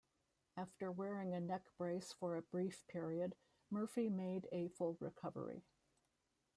After wearing a neck brace for a brief period, Murphy made a full recovery.